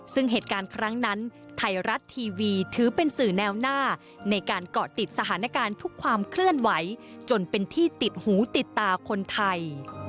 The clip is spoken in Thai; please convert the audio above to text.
ซึ่งเหตุการณ์ครั้งนั้นไทยรัฐทีวีถือเป็นสื่อแนวหน้าในการเกาะติดสถานการณ์ทุกความเคลื่อนไหวจนเป็นที่ติดหูติดตาคนไทย